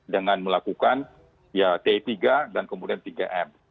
dengan melakukan t tiga dan kemudian tiga m